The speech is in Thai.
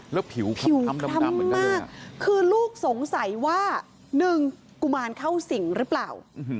แล้วผิวทำดำเหมือนกันเลยคือลูกสงสัยว่า๑กุมารเข้าสิงหรือเปล่า